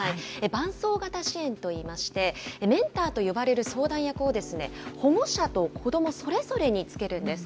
伴走型支援といいまして、メンターと呼ばれる相談役を保護者と子どもそれぞれにつけるんです。